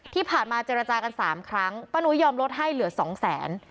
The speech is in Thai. ที่ผ่านมาเจรจากัน๓ครั้งป้านุ้ยยอมลดให้เหลือสองแสน